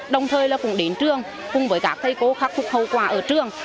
đồng thời cũng đến trường cùng với các thầy cô khắc phục hậu quả ở trường